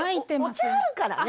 お茶あるからね。